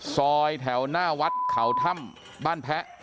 แถวหน้าวัดเขาถ้ำบ้านแพ้